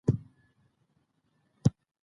دا اصول د نړی په هیڅ سیاسی نظام کی وجود نلری.